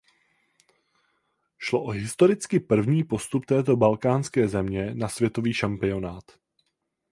Šlo o historicky první postup této balkánské země na světový šampionát.